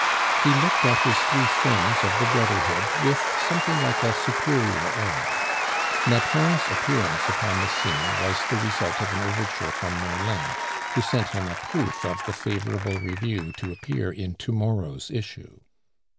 He looked at his three friends of the brotherhood with something like a superior air. Nathan's appearance upon the scene was the result of an overture from Merlin, who sent him a proof of the favorable review to appear in to morrow's issue.